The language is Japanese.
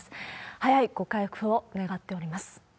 早いご回復を願っております。